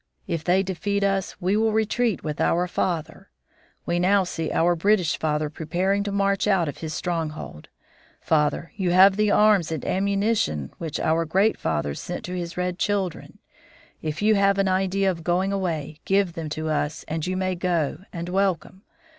If they defeat us we will retreat with our father. We now see our British father preparing to march out of his stronghold. Father, you have the arms and ammunition which our great father sent to his red children. If you have an idea of going away, give them to us and you may go and welcome.